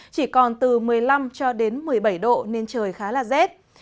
chỉ còn từ một mươi năm một mươi bảy độ nên trời khá là dết